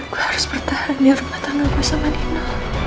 gue harus bertahan di rumah tanganku sama dina